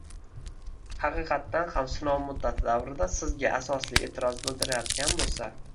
haqiqatdan ham sinov muddati davrida sizga asosli e’tiroz bildirilayotgan bo‘lsa